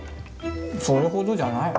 それほどじゃないよ。